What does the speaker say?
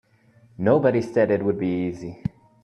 Nobody said it would be easy.